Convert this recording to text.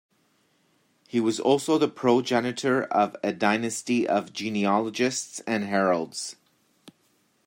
He was also the progenitor of a dynasty of genealogists and heralds.